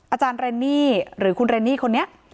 อาจารย์เรนนี่หรือคุณเรนนี่คนนี้